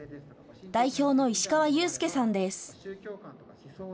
代表の石川勇介さんです。